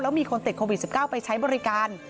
มีคนติดโควิด๑๙ไปใช้บริการ